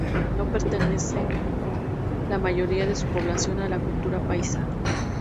No pertenece la mayoría de su población a la cultura paisa.